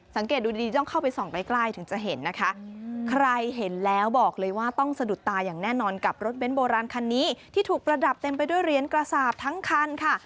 สังเกตดูดีต้องเข้าไปส่องใกล้ใกล้ถึงจะเห็นนะคะใครเห็นแล้วบอกเลยว่าต้องสะดุดตาอย่างแน่นอนกับรถเน้นโบราณคันนี้ที่ถูกประดับเต็มไปด้วยเหรียญกระสาปทั้งคันค่ะ